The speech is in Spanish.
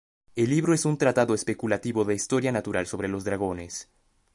El libro es un tratado especulativo de historia natural sobre los dragones.